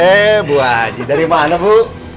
eh bu aji dari mana bu